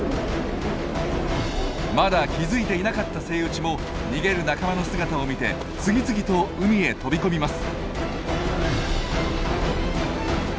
まだ気付いていなかったセイウチも逃げる仲間の姿を見て次々と海へ飛び込みます。